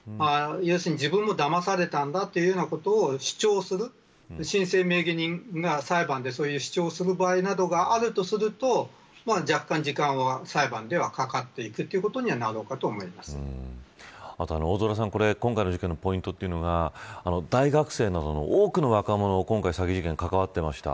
自分もだまされたんだというようなことを主張する申請名義人が裁判でそういう主張する場合などがあるとすると若干時間は、裁判ではかかっていくということに大空さん、今回の事件のポイントというのは大学生などの多くの若者が、今回詐欺事件に関わっていました。